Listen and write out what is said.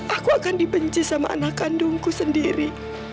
aku akan dibenci sama anak kandungku sendiri